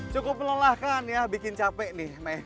cukup melelahkan ya bikin capek nih